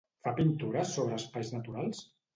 Fa pintures sobre espais naturals?